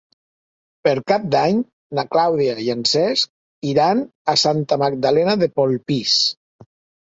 Per Cap d'Any na Clàudia i en Cesc iran a Santa Magdalena de Polpís.